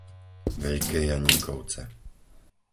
Veľké Janíkovce